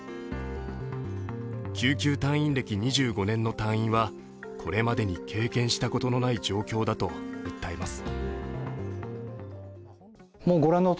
救急隊員歴２５年の隊員はこれまでに経験したことのない状況だと訴えます。